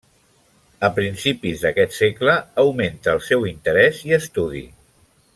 A principis d'aquest segle, augmenta el seu interès i estudi.